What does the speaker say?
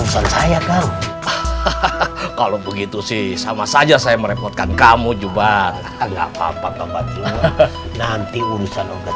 saya kalau begitu sih sama saja saya merepotkan kamu juga nggak papa papa nanti urusan organ